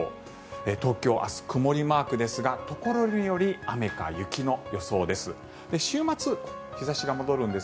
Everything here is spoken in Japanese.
東京、明日曇りマークですがところにより雨か雪の予想です。